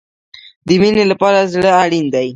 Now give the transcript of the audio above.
د مینې لپاره زړه اړین دی